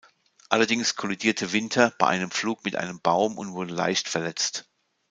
Allerdings kollidierte Winter bei einem Flug mit einem Baum und wurde leicht verletzt.